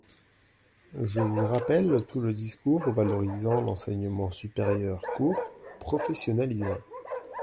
Je vous rappelle tout le discours valorisant l’enseignement supérieur court, professionnalisant.